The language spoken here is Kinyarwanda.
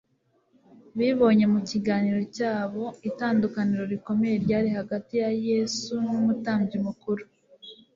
Bibonye mu kiganiro cyabo itandukaniro rikomeye ryari hagati ya Yesu n’umutambyi mukuru.